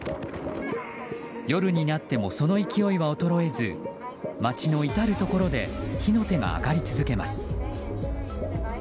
夜になっても、その勢いは衰えず町の至るところで火の手が上がり続けます。